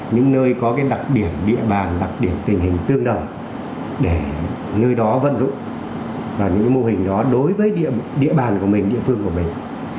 những nơi có đặc điểm địa bàn đặc điểm tình hình tương đồng để nơi đó vận dụng vào những mô hình đó đối với địa bàn của mình địa phương của mình